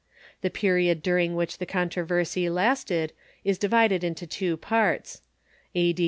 The period during which the controversy lasted is divided into two parts — a.d.